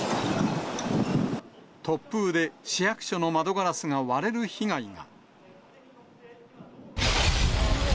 突風で市役所の窓ガラスが割れる被害が。